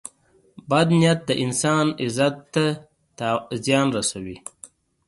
• بد نیت د انسان عزت ته زیان رسوي.